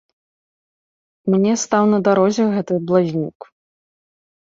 Мне стаў на дарозе гэты блазнюк.